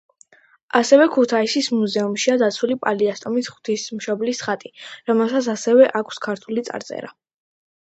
ასევე ქუთაისის მუზეუმშია დაცული პალიასტომის ღვთისმშობლის ხატი, რომელსაც ასევე აქვს ქართული წარწერა.